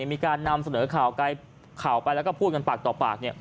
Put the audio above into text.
มีการนำเสนอข่าวไปแล้วก็พูดกันปากต่อปาก